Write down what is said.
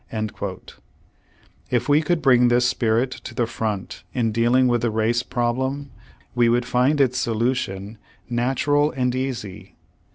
^ If we could bring this spirit to the front in dealing with the race problem, we would find its solution natural and easy.